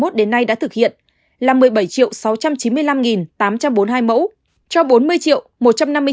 số lượng xét nghiệm từ hai mươi bảy tháng bốn năm hai nghìn hai mươi một đến nay đã thực hiện là một mươi bảy sáu trăm chín mươi năm tám trăm bốn mươi hai mẫu